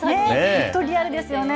本当、リアルですよね。